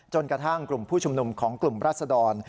จนกระทั่งผู้ชมนุมของกลุ่มรัฐสดร